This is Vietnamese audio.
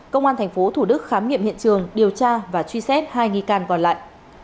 công an tp thủ đức khám nghiệm hiện trường điều tra và truy xét hai nghi can còn lại